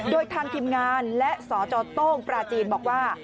โดยทางทีมงานและสจโต้งปลาจีนบอกว่า